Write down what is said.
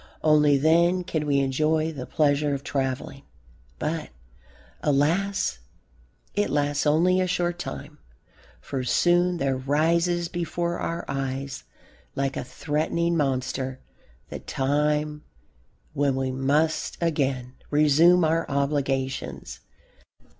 Only then can we enjoy the pleasure of travelling, but, alas, it lasts only a short time. For soon there rises before our eyes, like a threatening monster, the time when we must again resume our obligations.